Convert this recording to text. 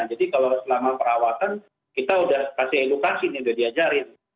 jadi kalau selama perawatan kita sudah kasih edukasi ini sudah diajarin